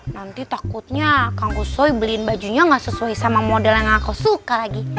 nanti takutnya tangguh soi beliin bajunya nggak sesuai sama model yang aku suka lagi